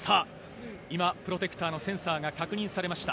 今、プロテクターのセンサーが確認されました。